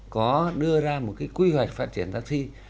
có đưa ra một cái quy hoạch phát triển taxi